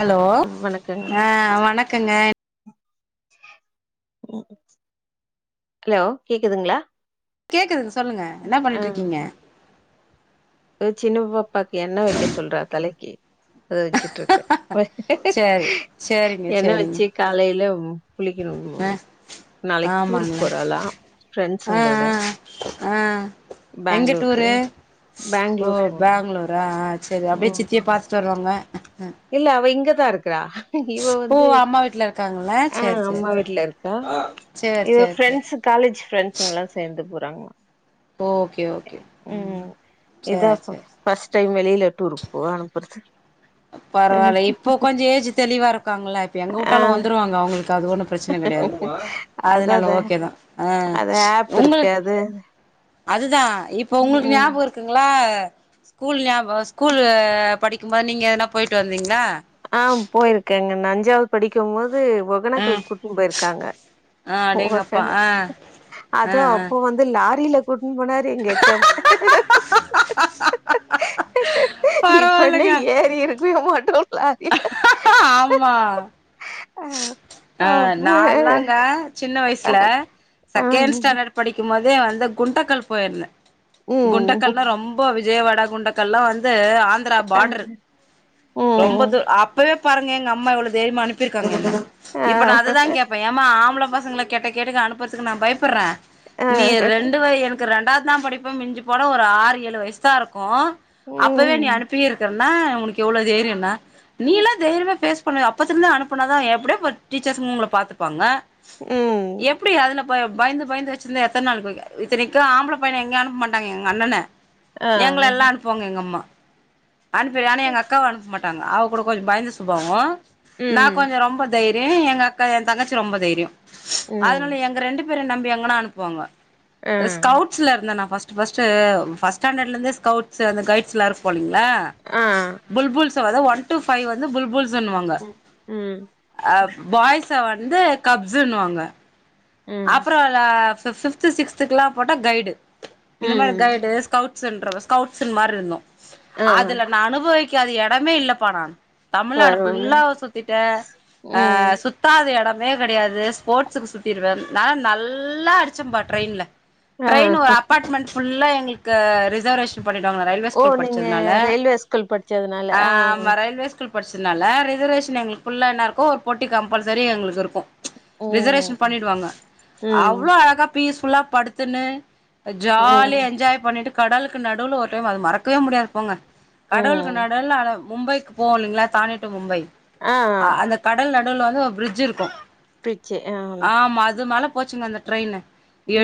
Hello வணக்கங்க அ வணக்கங்க ஹலோ கேக்குதுங்களா கேக்குதுங்க சொல்லுங்க என்ன பண்ணிட்டுருக்கீங்க அ ஜின்ன பாப்பாக்கு என்ன வைக்க சொல்றா தலைக்கி அத வச்சுட்டுருக்க சேரி சேரிங்க என்ன சேரிங்க வச்சி காலையில ஆ குளிக்கண்ணும் நாளைக் டூருக்கு ஆமாங்களா போறாளாம் ஃப்ரெண்ட்ஸங்களோட அ எங்க டூரு ஓ பெங்களூர் போற பங்களூர் அ செரி அப்டியே சுத்தி ம் பாத்துட்டு வருவோம இல்ல அவ இங்கதா இருக்றா இவ ஓ வந்து அம்மா வீட்ல இருக்காங்களா அ சேரி சேரி அம்மா சேரி வீட்ல இருக்கா சேரி இவ சேரி சேரி ஃரெண்ட்ஸு காலேஜ் பிரஃரெண்ட்ஸுங்கல்லாம் சேந்து போறாங்க ஓகே ஓகே ம் இதான் சேரி சேரி ஃபர்ஸ் டைம் வெளில டூருக்கு போக அனுப்றது பரவால்ல இப்போ கொஞ்சி ஏஜ் தெளிவா இருக்காங்கல்ல இப்ப எங்க ஆ உட்டாலும் வந்துருவாங்க அவங்களுக்கு அது ஒண்ணு பிரச்சன கடையாது அதா அதா அதனால ஓகே தான் அ அது ஆப் உங்க இருக்கு அது அதுதான் இப்ப ஒங்களுக் ம் ஞாப க்குங்களா ஸ்கூல் ஞாப ஸ்கூல் படிக்கும்போது நீங்க எதனா போயிட்டு வந்தீங்களா ஆ போயிருக் க்ங்க நா அஞ்சாது படிக்கும் போது வணக்கல் ம் கூட்டு போயிருக்காங்க ஆ ஓ அடேங்கப்பா ஆ ஆ அஅது ஆ அப்போ வந் து லாரில கூட்டுன் போனாரு எங்க ஹெச்சம் இப்பனே பரவால்லங்க ஏறி இருக்கவே மாட்டோம்ல ஆமா ஆ ஆ அப்ப நாலாங்க கின்ன அ வயசுல ஆ செகண்ட் ஸ்டாண்டர்ட் படிக்கும் போதே வந்து குண்டக்கல் போயிருந்த ம் குண்டக்கல்ல்லாம் ரொம்ப விஜயவாடா குண்டக்கல்லல்லாம் வந்து ஆந்திரா அ பார்ட்ரு ரொம்ப ம் தூர் அப்பவே பாருங்க எங்க அம்மா எவ்ள தைரிமா அனுப்பிருக்காங்க ஆ இப்போ நா அது தா கேட்ப ஏம்மா ஆம்பள பசங்கள கெட்ட கேட்டுக்கு அனுப்புறதுக்கு நா பயப்பட்ற ஆ நீ ரெண்டு வய எனக்கு ரெண்டாவது தா படிப்ப மிஞ்சு போன ஒரு ஆறு ஏழு வயசு தாருக்கும் அப்பவே நீ ம் அனுப்பி இருக்கிறன்ன ஒனக்கு எவ்வளோ தைரியன நீ எல்லாம் தெய்ரிமா பேஸ் பண்ணுவ அப்பத்துருந்து அனுப்பனாதா எப்படியே டீச்சர்ஸ் ஒங்கள பாத்துப்பாங்க ம் எப்புடி அதுல ப பயந்து பயந்து வச்சிருந்தா எத்தன் நாள்க்கு வைக்க இத்தனைக்கும் ஆம்பள பையன எங்கயும் அனுப்ப மாட்டாங்க எங்க அண்ணன ஆ எங்கள எல்லாம் அனுப்புவாங்க எங்க அம்மா அனுப்பி ஆனா எங்க அக்காவ அனுப்பமாட்டாங்க அவ கூட கொஞ்ச பயந்து சுபாவோ நா ம் கொஞ்ச ரொம்ப தை ரிய எங்க அக்கா எ தங்கச்சி ரொம்ப தைரியோ ம் அதனால எங்க ரெண்டு பேரும் நம்பி எங்கன்னா அனுப்புவாங்க ஆ ஸ்கவுட்ஷ்ல இருந்தன்னா ஃபர்ஸ்ட் ஃபர்ஸ்ட் ஃபர்ஸ்ட் ஸ்டாண்டர்ட் ல இருந்தே ஸ்கவுட்ஷ்ல அந்த கைட்ஸ் லா இருப்போ இல்லீங்க ளா ஆ புல்புல்ஸ் ன்னு அதாது ஒன் டூ பைவ் வந்து புல்பல்ஸ்ன்னு வாங்க ம் ம் அ பாய்ஸ வந்து கப்ஸுன்னுவாங்க ம் அப்புற பிப்த் சிக்த்து ல்லாம் போய்ட்டா கைடு இந்த மாரி ம் கைடு ஸ்கவுட் ஸ்னுன்ற ஸ்கவுட்ஸ் மாரி இருந்தோ ஆ அதுல நா அனுபவிக்காத எடமே இல்லப்பா நானு தமிழ்நாடு பரவால்ல ஃபுல்லா சுத்திட்ட அ ம் சுத் தாத எடமே கெடையாது ஸ்போர்ட்ஸுக்கு சுத்திருவ நாலா நல்லா அடிச்சம்பா ட்ரெயின்ல ஆ ட்ரெயின் ஒரு அபார்ட்மெண்ட் புல்லா எங்களுக்கு ரிசர்வேஷ ன் பண்ணிடுவாங்க ரயில்வே ஓ ஸ்கூல் நீங்க படிச்சதுனால ரயில்வே ஸ்கூல் படிச்சதுனால ஆ ஆமா ரயில்வேஸ் கூல் படிச்சதுனால ரிசர்வேஷன் எங்களுக்கு ஃபுல்லா என்ன இருக்கோ ஒரு போட்டி கம்பல்சரி எங்களுக்கு இருக்கு ரிசர்வேஷன் ம் பண்ணிடுவாங்க ம் அவ்ளோ அழகா பீஸ்புல்லா படுத்துன்னு ம் ஜாலியா என்ஜாய் பண்ணிட்டு கடலுக்கு நடுவுவில ஒரு டைம் அது மறக்கவே முடியாது போங்க கடலுக்கு ம் நடுவுல மும்பைக்கு போவோ இல்லங்களா தானே டு மும்பை ஆ அந்த கடல் நடுல வந்து ஒரு பிரிட்ஜ் இருக்கு பிச்சு ஆ ஆமா அது மேல போச்சுங்க அந்த ட்ரெயின்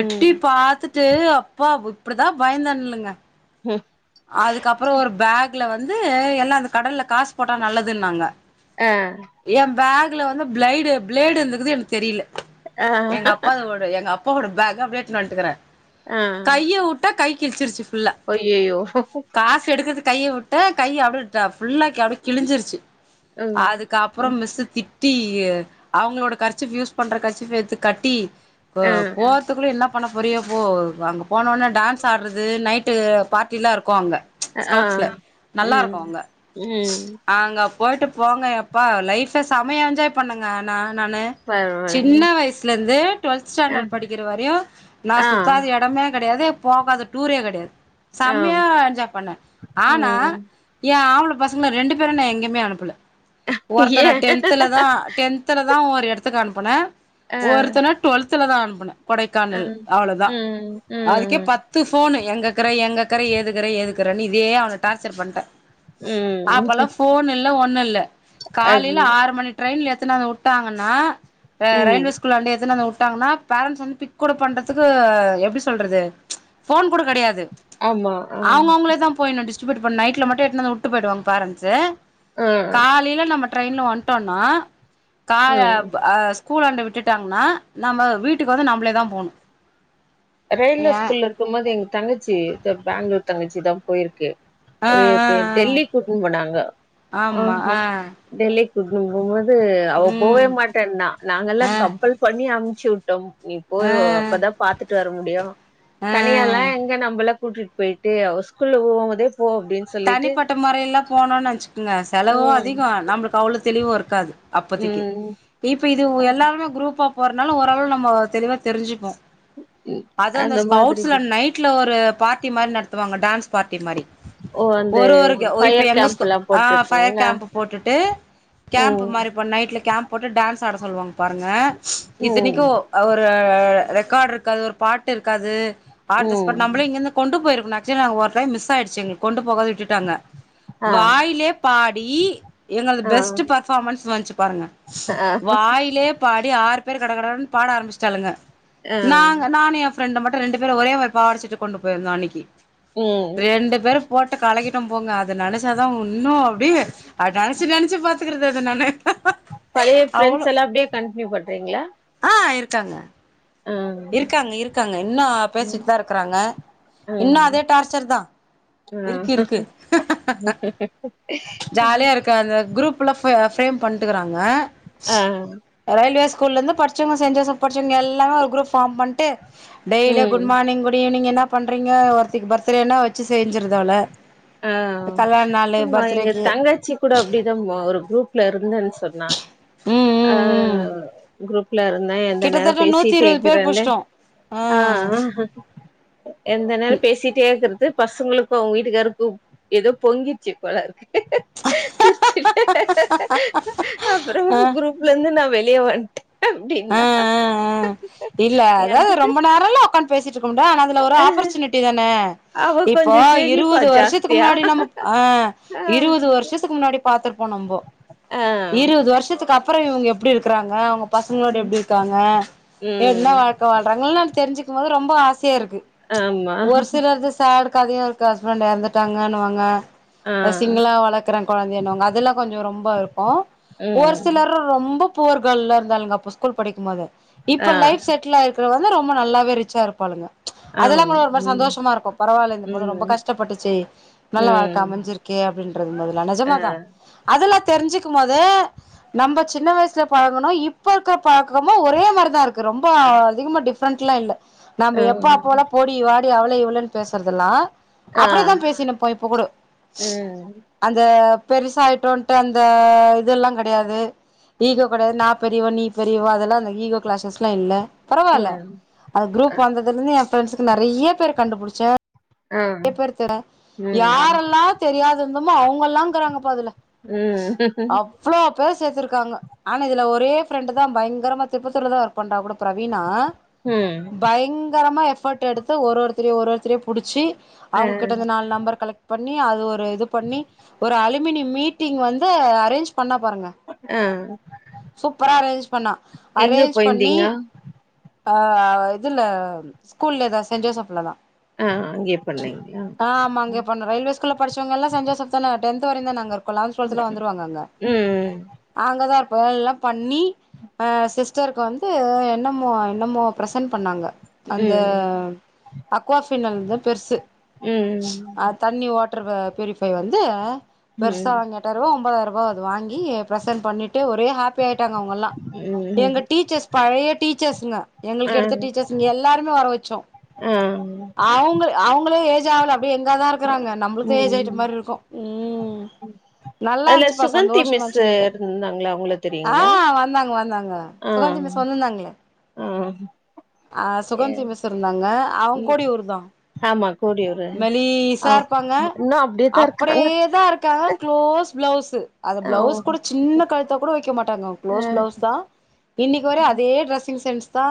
ம் பாத்து ட்டு அப்பா இப்டிதா பயந்துனுலுங்க ம் அதுக்கப்புற ஒரு பேக்ல வந்து எல்லா அந்த கடல்ல காசு போட்டா நல்லதுன்னாங்க ஆ எ பேக்ல வந்து பிளைடு பிளேடு இருந்தக்குது எனக்கு தெரியல ஆ எங்க அப்பாவோட எங்க அப் பாவோட பேக் அப்டியே எடுத்து வண்டுகிரே ஆ கைய வுட்டா கை கிழிச்சிருச்சு ஃபுல்லா ஐய்யையோ காசு எடுக்கற கையை விட்ட கை அப்டி ஃபுல்லா அப்டியே கிழிஞ்சிருச்சு ம் அதுக்குகப்புற ம் மிஸு தி ட்டி அவங்களோட கர்ச்சிப் யூஸ் பண்ற கர்ச்சிப் எத்து கட்டி அ ஆ போறதுக்குள்ள என்ன போன பொரிய போ அங்கே போனோடனே டான்ஸ் ஆடறது நைட்டு பார்ட்டி எல்லா இருக்கு அங்கே ஆ ஸ்கவுட்ஸ்ல நல்லா ம் இருக்கு அங்க ம் அங்கே போயி்ட்டு போங்க எப்பா லைஃபை செமைய என்ஜாய் பண்ணுங்க நா நானு பரவால்லைங்க சின்ன வயசுல இருந்து டுவெல்த் ஆ ஸ்டாண்டர்ட் படிக்கிற வரையு நா ஆ சுத்தாத எடமே கெடையாது போகாத டூரே கெடையாது ஆ செம்மையா என்ஜாய் பண்ணே ஆனா ம் ஏ ஆம்பள பசங்கள ரெண்டு பேரு நா எங்கயமே அனுப்பல ஒருத்தனை டென்துல தா டென்துல தா ஒரு எடத்துக்கு அனுப்புனே ஒருத்தனை டுவல்த்தல தா அனுப்புனே கொடைக்கானல் அவ்வளவுதா ம், அதுக்கே ம், பத் து ஃபோனு எங்கே இருக்கற எங்கேக்கற ஏதுக்கிற ஏதுக்குறேன்னு இதே அவனை டார்ச்சர் பண்ட்டே அப்பல்லா ம். ஃபோன் இல்ல ஒண்ணு இல்ல அது காலையில ஆறு மணி ட்ரெயினில எத்துனாந்து வுட்டாங்கன்னா அ ம். ரயில்வே ஸ்கூல்லாண்ட எத்தனாந்து வுட்டாங்கன்னா பேரண்ட்ஸ் வந்து பிக்கூட பண்றதுக்கு எப்டி சொல்றது ஃபோன் கூட கெடையாது ஆமா ஆ, அவங்க அவங்களே தா போயிடணு டிஸ்ட்ரிபூ பண்ண நைட்ல மட்டு எடுத்துனந்து வுட்டு போயிடுவங்க பேரன்ட்ஸு ஆ, காலையில நம்ம ட்ரெயின்ல வந்ட்டோனா கா ம். அ கூலாண்ட விட்டுட்டாங்கன்னா நம்ம வீட்டுக்கு வந்து நம்பளே தா போகணு ரயில்வே ஸ்கூல்ல இருக்கும் போது எங்க தங்கச்சி த பெங்களூர் தங்கச்சி தா போயிருக்கு ஆ ஒரு ஆ ஆ டெல்லி கூட்டும் போனாங்க ஆ டெல்லி கூட்டுணு போகும்போது அவ போவே ம் மாட்டேனா நாங்க எல்லாம் ஆ கம்பல் பண்ணி அமுச்சு ட்டோம்இப்போய் ஆ அப்பதான் பாத்துட்டு வர முடியும் ஆ தனியால்லாம் எங்க நம்மள கூட்டிட்டு போயிட்டு அவ ஸ்கூல்ல போம் போதே போ அப்டின்னு சொல்லிட்டு தனிப்பட்ட முறைய எல்லாம் போணும்னு நினைச்சுக்கோங்க செலவும் ம், அதிகம் நம்மளுக்கு அவ்வளவு தெளிவும் இருக்காது அப்போதக்கு ம். இப்ப இது எல்லாருமே குரூப் ஆப் போறநாள ஓரளவு நம்ம தெளிவா தெரிஞ்சுப்போம் ம் அது அந்த மாதிரி ஸ்கவுட்ஸ்ல நைட் வீட்ல ஒரு பார்டி மாதிரி நடத்துவாங்க டான்ஸ் பார்டி மாரி ஓ அந்த ஒரு ஒருக்கு இப்ப ஃபயர் கேம்ப் எங்கஸ எல்லா ஆ பஃயர் போட்ருக்குங்களா கேம்ப் போட்டுட்டு கேம்ப் ம் மாரிப்பா நைட்ல கேம்ப் போட்டு டான்ஸ் ஆட சொல்லுவாங்க பாருங்க ம் இத்தனைக்கும் ஒரு ரெக்கார்டு இருக்காது ஒரு பாட்டு இருக்காது ம் ஆன்தஸ்பாட் நம்மளும் இங்கிருந்து கொண்டு போயிருக்கணு ஆக்சுவலா நாங்க ஒரு டயம் மிஸ் ஆயிடுச்சுங்க கொண்டு போகது விட்டுட்டாங்க ஆ வாயிலேயே பாடி எங்களது ஆ பெஸ்ட் பர்ஃபார்மன்ஸ் வந்துச்சு பாருங்க ஆ வாயிலேயே பாடி ஆறு பேர் கட கடனு பாட ஆரம்பிச்சிட்டாளுங்க ஆ நாங்க நானும் ரெண்டு மட்டும் ரெண்டு பேரும் ஒரே மாரி பாவாட சட்ட கொண்டு போயிருந்தோம் அன்னைக்கு ம் ரெண்டு பேரும் போட்டு கலக்கிட்டோம் போங்க அது அதை நினைச்சாதான் இன்னும் அப்டியே அ நினைச்சு நினைச்சு பாத்துக்கறது அத நானு பழைய அவ்ளோ ஃப்ரரெண்ட்ஸ் எல்லாம் அப்டியே கன்டினியூ பண்றீங்களா ஆ இருக்காங்க ஆ இருக்காங்க இருக்காங்க இன்னும் ம் பேசிட்டு தான் இருக்கறாங்க இன்னும் ம் அதே டார்ச்சர் தான் ஆ இருக்கு இருக்கு ஜாலியா இருக்க அந்த குரூப் புள்ளா ஃவைல் ஃப்ரேம் பண்ணிட்டுஇருக்கறாங்க ஆ ரயில்வே ஸ்கூல்ல இருந்து படிச்சவங்க செஞ்சோசப் படிச்சவங்க எல்லாமே ஒரு குரூப் ஃபார்ம் பண்ணிட்டு டெய்லி ம் குட் மார்னிங குட் ஈவினிங் என்ன பண்றீங்க ஒருத்திக்கு பர்த்டேனா வச்சு செஞ்சருதுஅவள ஆ ஆமா எங்க தங்கச்சி கூட அப்டிதான்மா ஒரு குரூப்ல இருந்தேன்னு சொன்னா உம் அ குரூப் ல இருந்தேன் எந்த நேரம் கிட்டத்தட்ட நூத்தி பேசிட்டு இருவது பேர் இக்குறேணுஆ புடிச்சிட்டோ ஆ எந்த நேரம் பேசிட்டே இருக்கறது பசங்களுக்கும் அவங்க வீட்டுக்காருக்கும் ஏதோ பொங்கிச்சு போல சிரிச்சுட்டேன் அப்புறம் ஆ ஆ குரூப்ல இருந்து நா வெளிய வந்துட்டேன் ஆ அ ஆ இல்ல அதாவது எனக்கு ரொம்ப நேரம்ல உக்காந்து பேசிட்டு இருக்க மாட்டோம் ஆனா ஒரு ஆப்பர்சுனிட்டி தான அவ இப்போ கொஞ்சோ சிரிப்பா இருபது வருஷத்துக்கு ஜாஸ்தியா முன்னாடி நம்ம ஆ ஆ இருபது வருஷத்துக்கு முன்னாடி பாத்துட்டு போனும் நம்போ ஆ இருபது வருஷத்துக்கு அப்புறம் இவங்க எப்படி இருக்கறாங்க அவங்க ப ங்களோட எப்படி இருக்காங்க என்ன ம் வாழ்கை வாழ்றாங்கன்னு ந தெரிஞ்சுக்கும் போது ரொம்ப ஆச ச்சயா இருக்கு ஆமா ஒரு சிலருது சாடுக்கு அதையும் இருக்கு ஹஸ்பண்ட் இறந்துட்டாங்கன்னுவாங்க ஆ சிங்களா வளர்க்குறேன் குழந்தைன்வாங்க அதெல்லாம் கொஞ்சம் ரொம்ப இருக்கும் ஒரு ம் சிலர் ரொம்ப புவர் கேர்ள்ல இருந்தாளுங்க அப்ப ஸ்கூல் படிக்கும்போது ஆ இப்ப லைப் செட்டில் ஆயிருக்கு இப்ப வந்து ரொம்ப நல்லாவே ரிச்சா இருப்பாளுங்க அதெல்லாம் ஆம் கூட ஒரு மாரி ம் சந்தோஷமா இருக்கும் பரவாயில்ல இந்த பொண்ணு ரொம்ப ம் கஷ்டப்பட்டுச்சு நல்லவாழ்க்க ம் அமஞ்சிருக்கே அப்டின்றது முதல்ல ஆ நெஜமாதான் அதெல்லாம் தெரிஞ்சுக்கும் போது நம்ம சின்ன வயசுல பழகனும் இப்ப இப்ப இருக்க பழக்கமோ ஒரே மாரிதா இருக்கு ரொம்ப அதிகமா டிஃப்ரெண்ட் லா இல்ல நம்ப ஆ எப்போ அப்போல்லா போடி வாடி அவளே இவளேன்னு பேசுறதுலா ஆ அப்படிதா பேசினு இப்போ இப்போ கூட ம் அந்த பெருசாயிட்டோன்ட்டு அந்த இதெல்லா கிடையாது ஈகோ கிடையாது நா பெரியவ நீ பெரியவ அதெல்லா அந்த ஈகோ கிளாசஸ்ல்லா இல்ல பரவால்ல அது ஆ குரூப் வந்தது அதுலஇருந்து என் பிரண்ட்ஸக்கு நிறைய பேர் கண்டுபிடிச்சே ஆ நிறைய பேர் தே ம் யாரெல்லா தெரியா இருந்தோமோ அவங்கல்லா இருக்கிறாங்கபா அதுல உம் இவ்ளோ பேர சேத்திருக்காங்க ஆனா இதுல ஒரு ஒரே ஃப்ரெண்ட் தா பயங்கரமா திருப்பத்துர்லதா ஒர்க் பண்றா அவ கூட பிரவீனா ம் பயங்கரமா எஃபர்ட் எடுத்து ஒரு ஒருத்தரயா ஒரு ஒருத்தரயா புடிச்சு ஆ அவங்க கிட்ட இருந்து நாலு நம்பர் கலெக்ட் பண்ணி அது ஒரு இது பண்ணி ஒரு அழி மினி மீட்டிங் வந்து அரேஞ்ச் பண்ணா பாருங்க அஹ் சூப்பரா அரேஞ்ச் பண்ணா எங்க அரேஞ்ச் பண்ணி போயிருந்தீங்க ஆஹ் இதுல ஸ்கூல்ல தா சென்ட் ஜோசப்ல தா ஆ அங்கேயே பண்ணீங்களா ஆ ஆமா அங்கயே பண்ணோ ரயில்வே ஸ்கூல்ல படிச்சவங்க எல்லா சென்ட் ஜோசப் தானே டென்த் வரை தா நாங்க இரும் லவன்த்து டொவல்த்துலா வந்துருவாங்க அங்க ம் அங்கதா [unintelligible] பண்ணி அஹ் சிஸ்டருக்கு வந்து என்னமோ என்னமோ பிரசன் பண்ணாங்க அந்த ம் அக்குவாஃபினல் தா பெருசு ம் தண்ணி வாட் டர் பியூரிஃபை வந்து பெருசா ம் வாங்கிட்டுவரவு ஒன்பதாயிரம் ரூபாய் அது வாங்கி பிரசென்ட் பண்ணிட்டு ஒரே ஹாப்பி ஆயிட்டாங்க அவங்கல்லா எங்க ம் டீச்சர்ஸ் பழைய டீச்சர்ஸ்ங்க ஆ எங்களுக்கு எடுத்த டீச்சர்ஸ்ங்க எல்லாரயுமே வர வச்சோ ஆஹ் அவங்க அவங்களே ஏஜ் ஆகல அப்டியே எங்கா தா இருக்குறாங்க நம்மளுக்கு தா ஏஜ் ஆயிட்ட ம் மாரி இருக்கோ உம் நல்லா அதுல இருந்துச்சுப்பா சுகந்தி சந்தோஷமா இருந்துச்சு மிஸ்ஸு கேக்க இருந்தாங்களா அவங்கள தெரியுங்களா ஆஹ் வந்தாங்க வந்தாங்க ஆ சுகந்தி மிஸ் வந்துந்தாங்களே ஆ அஹ் எ சுகந்தி மிஸ் இருந்தாங்க அவங்க ம் கூட இவரு தா ஆமா கோடியூரு ஆ மெலிசா இருப்பாங்க இன்னு அப்டியேதா அப்டி இருக்காங்க யே தான் இருக்காங்க குளோஸ் பிளவுஸ்சு அந்த ஆமா பிளவுஸ் கூட சின்ன கழுத்தா கூட வெக்க மாட்டாங்க ஆ குளோஸ் பிளவுஸ் தா இன்னைக்கு வர அதே டிரஸ்ஸிங் சென்ஸ் தா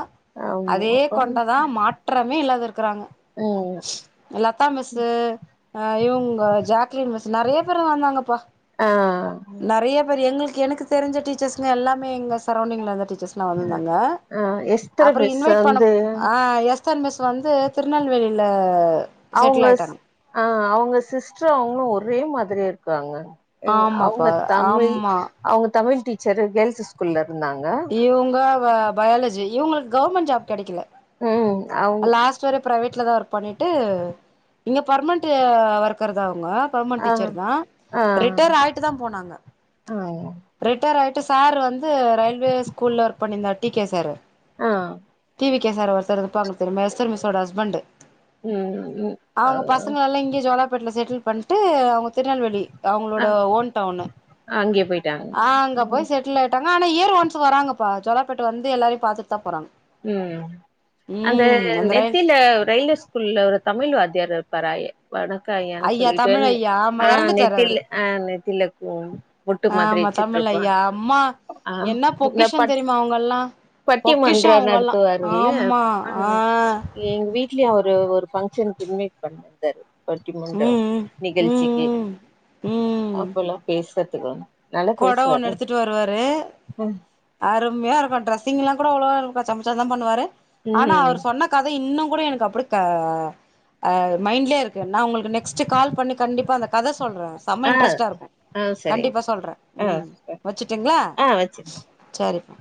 ஆமா அதே கொண்டதா மாற்றமே இல்லாத இருக்கிறாங்க உம் லதா மிஸ்சுஅஹ் இவங்க ஜாக்லின் மிஸ் நெறைய பேரு வந்தாங்கப்பா ஆ நிறைய பேர் எங்களுக்கு எனக்கு தெரிஞ்ச டீச்சர்ஸ்ங்க எல்லாமே எங்க சரௌண்டிங்ல இருந்த டீச்சர்ஸ் வந்திருந்தாங்க ஆ எஸ்தர் அப்புறோ மிஸ் இன்வைட் பண்ண வந்து ஆ எஸ் தர் மிஸ் வந்து திருநெல்வேலில அவங்க செட்டில் ஆயிட்டாங்க ஆஹ் அவங்க சிஸ்டர் அவங்களு ஒரே மாதிரி இருக்காங்க எ அவங்க ஆமாப்பா தமிழ் ஆமா அவங்க தமிழ் டீச்சரு கேர்ள்ஸ் ஸ்கூல்ல இருந்தாங்க இவங்க பயாலஜி இவங்களுக்கு கவர்மெண்ட் ஜாப் கிடைக்கல ம் அவங்க லாஸ்ட் வர பிரைவேட்ல தா ஒர்க் பண்ணிட்டு இங்க பர்மனன்ட் ஒர்க்கர் தா அவங்க ஆ பர்மன்ட்டீச்சர் தா ஆ ரிட்டைர் ஆயிட்டு தா போனாங்க ஆ ரிட்டைர் ஆயிட்டு சார் வந்து ரயில்வே ஸ்கூல்ல ஒர்க் பண்ணியிருந்தா டிகே சாரு ஆ டிவிகே சார் ஒருத்தர் இருப்பாங்க தெரியுமா எஸ்டர் மிஸ்ஸோட ஹஸ்பண்டு ம் ம் அ அவங்க பசங்கள இங்க ஜோலார்ப்பேட்ல செட்டில் பண்ட்டு அவங்க திருநெல்வேலி ஆ அவங்களோட ஓன் டவுன்னு அங்கேயே போயிட்டாங்க ஆ அங்க ம் போய் செட் ட்லாய்டாங்க ஆனா இயர் ஒன்ஸ் வராங்கபா ஜோல்லார்ப்பேட் வந்து எல்லாரையு பாத்துட்டு தா போறாங்க ம் அந்த ம் அந்த ரயில் நெத்தில [unintelligible] இல்ல தமிழ் வாத்தியார் இருப்பாரா வணக்க ஐயான் ஐயா சொல்லிட்டு தமிழ் ஐயா ஆமா ஆ எறந்துட்டாரு அவரு நெத்தில ஆ நெத்திலக்கு முட்டு மாதிரி ஆமா வெச்சுட்டு தமிழ் இருப்ப ஐயா அம்மா ஆ என்ன இல்ல பொக்கிஷம் பட் தெரியுமா அவங்கல்லா பொக்கிஷோ பட்டிமன்றோ அவங்கல்லா நடத்துவார் இல்ல ஆமா ஆ எங்க வீட்லியு அவரு ஒரு ஃபங்க்கு இன்வைட் பண்ணிருந்தாரு பட்டிமன்றோ ம் ம் நிகழ்ச்சிக்கி ம் ம் ம் அப்பல்லா பேசுறதுக் கொட ஒன்னு எடுத்துட் வருவாரு ம் அரும்மையா இருக்கு டிரெஸிங் எல்லா கூட அவ்ளோ [unintelligible] தா பண்ணுவாரு ஆனா ம் அவுர் சொன்ன கதை இன்னு கூட எனக் அப்டி தா ஆ மைண்ட்லே இருக்கு நா உங்களுக் நெக்ஸ்ட் கால் பண்ணி கண்டிப்பா அந்த கத சொல்றே சம்ம ஆ இன்ட்ரெஸ்ட்டா இருக்கு ஆ சரிங்க கண்டிப்பா சொல்றே ஆ ம் வச்சுட்டுங்களா ஆ வச்சு ச்சரிப்பா